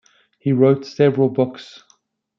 He wrote several books.